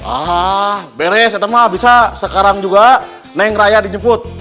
ah beres atau mah bisa sekarang juga neng raya dijemput